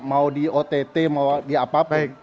mau di ott mau di apa apa